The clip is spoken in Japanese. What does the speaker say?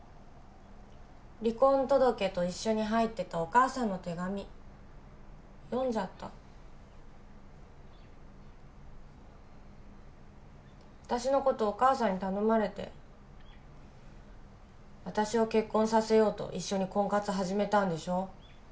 離婚届と一緒に入ってたお母さんの手紙読んじゃった私のことお母さんに頼まれて私を結婚させようと一緒に婚活始めたんでしょ